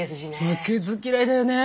負けず嫌いだよね。